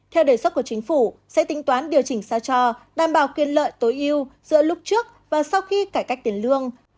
theo đề xuất của chính phủ sẽ tính toán điều chỉnh xa cho đảm bảo quyền lợi tối yêu giữa lúc trước và sau khi cải cách tiền lương